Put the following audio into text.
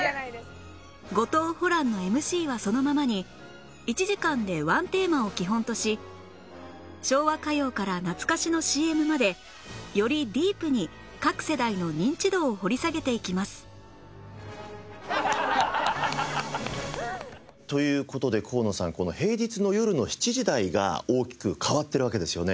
後藤ホランの ＭＣ はそのままに１時間で１テーマを基本とし昭和歌謡から懐かしの ＣＭ までよりディープに各世代のニンチドを掘り下げていきますという事で河野さんこの平日の夜の７時台が大きく変わっているわけですよね。